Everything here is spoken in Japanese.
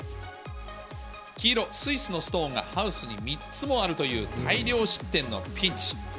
黄色、スイスのストーンがハウスに３つもあるという、大量失点のピンチ。